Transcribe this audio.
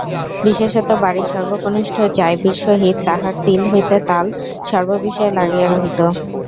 বিশেষত বাড়ির সর্বকনিষ্ঠ যাইবির সহিত তাহার তিল হইতে তাল—সর্ব বিষয়ে লাগিয়া রহিত।